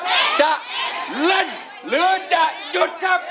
จะเล่นหรือจะหยุดครับ